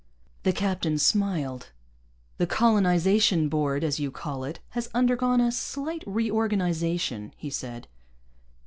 The captain smiled. "The Colonization Board, as you call it, has undergone a slight reorganization," he said.